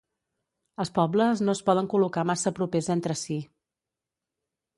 Els pobles no es poden col·locar massa propers entre si.